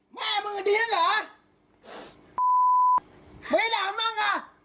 แม่มันก็ดีเหรอไม่ได้ด่านมั่ง